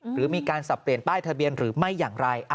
หรือมีการสับเปลี่ยนป้ายทะเบียนหรือไม่อย่างไร